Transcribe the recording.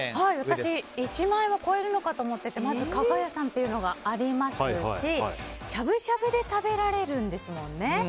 私１万円を超えるのかと思っててまず、加賀屋さんというのがありますし、しゃぶしゃぶで食べられますもんね。